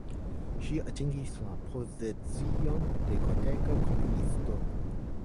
Ŝi atingis la pozicion de kortega komponisto.